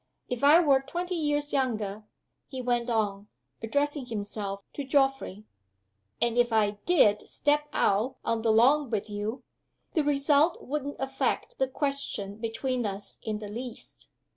If I were twenty years younger," he went on, addressing himself to Geoffrey, "and if I did step out on the lawn with you, the result wouldn't affect the question between us in the least.